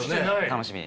楽しみ？